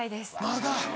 まだ。